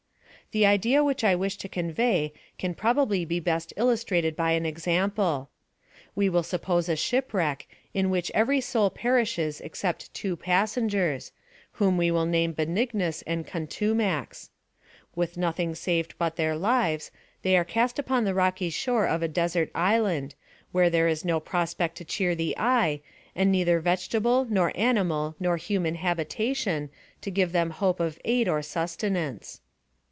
The idea which I wish to convey cun probably be best 26 INTRODUCTION. illustrated by an example. We will suppose a shipwreck in which every soul perishes except two passengers, whom we will name Benignus ant3 Contumax. With nothing saved but their lives, they are cast upon the rocky shore of a desert island, where there is no pros pect to cheer the eye, and neither vegetable nor animal nor human habitation to give them hope of aid or suste nance.